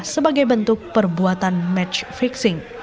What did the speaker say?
sebagai bentuk komisi